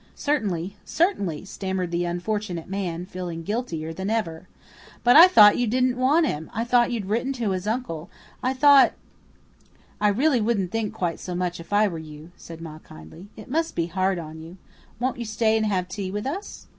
"Certainly, certainly," stammered the unfortunate man, feeling guiltier than ever, "but I thought you didn't want him I thought you'd written to his uncle I thought " "I really wouldn't think quite so much if I were you," said Ma kindly. "It must be hard on you. Won't you stay and have tea with us?"